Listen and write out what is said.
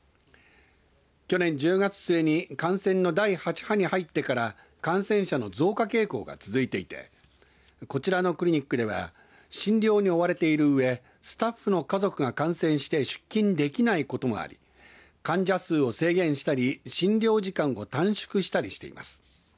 去年１０月末に感染の第８波に入ってから感染者の増加傾向が続いていてこちらのクリニックでは診療に追われているうえスタッフの家族が感染して出勤できないこともあり患者数を制限したり診療時間を短縮したりしています。